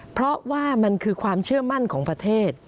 เพราะว่ามันคือความเชื่อมั่นของประเทศ